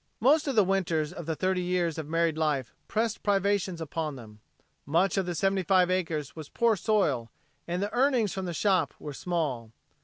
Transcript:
Most of the winters of the thirty years of married life pressed privations upon them. Much of the seventy five acres was poor soil, and the earnings from the shop were small.